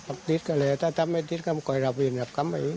บอกติดซักแล้วถ้าไม่ติดกัมก่อนอย่างราวเดียวเลยกัมให้